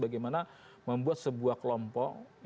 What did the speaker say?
bagaimana membuat sebuah kelompok